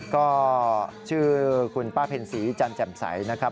ก็ชื่อคุณป้าเพ็ญศรีจันแจ่มใสนะครับ